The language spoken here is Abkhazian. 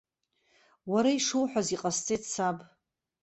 Уара ишуҳәаз иҟасҵеит, саб.